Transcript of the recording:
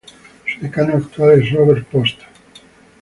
Su decano actual es Robert Post.